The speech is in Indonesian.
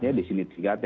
ya di sini tiga t